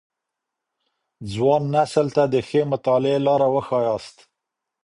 ځوان نسل ته د ښې مطالعې لاره وښاياست.